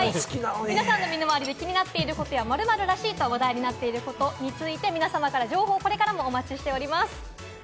皆さんの身の回りで気になってること、「〇〇らしい」と話題になっていることについて、皆さまの情報をこれからもお待ちしています。